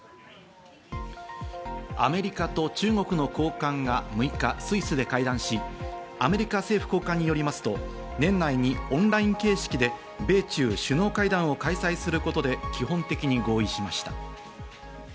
アメリカと中国の高官が６日、スイスで会談し、アメリカ政府高官によりますと、年内にオンライン形式で米中首脳会談を開催することで基本的に合意しました。